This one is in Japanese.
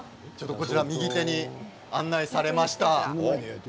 右手に案内されました。